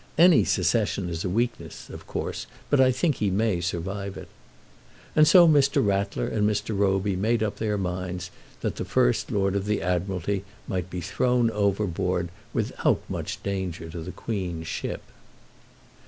Any secession is a weakness, of course; but I think he may survive it." And so Mr. Rattler and Mr. Roby made up their minds that the First Lord of the Admiralty might be thrown overboard without much danger to the Queen's ship.